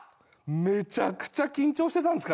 めちゃくちゃ緊張してたんですから。